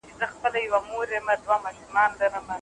باید د غوږونو د پاکولو لپاره له تیزو شیانو کار وانخیستل شي.